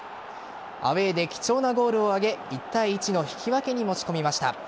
アウェーで貴重なゴールを挙げ１対１の引き分けに持ち込みました。